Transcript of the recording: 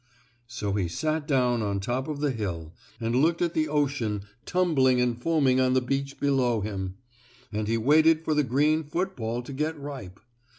So he sat down on top of the hill, and looked at the ocean tumbling and foaming on the beach below him, and he waited for the green football to get ripe.